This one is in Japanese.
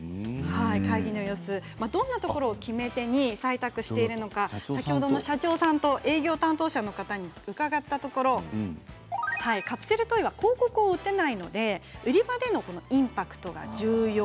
どんなところを決め手に採択をしているのか先ほどの社長さんと営業担当者の方に伺ったところカプセルトイは広告を打てないので売り場でのインパクトが重要。